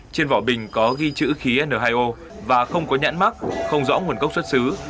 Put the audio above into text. trên vỏ bình có ghi chữ khí n hai o và không có nhãn mắc không rõ nguồn gốc xuất xứ